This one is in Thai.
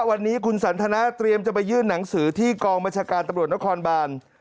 วันนี้คุณสันทนาเตรียมจะไปยื่นหนังสือที่กองบัญชาการตำรวจนครบาน